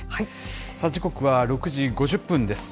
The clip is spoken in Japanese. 時刻は６時５０分です。